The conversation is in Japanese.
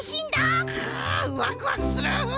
くワクワクする！